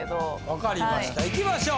わかりました。